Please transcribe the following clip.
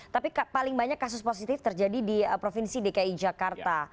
tapi paling banyak kasus positif terjadi di provinsi dki jakarta